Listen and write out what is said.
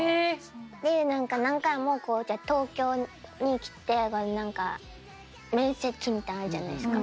で何回も東京に来て面接みたいなのあるじゃないですか。